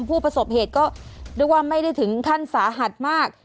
ผู้ประสบเหตุก็เรียกว่าไม่ได้ถึงขั้นสาหัสมาก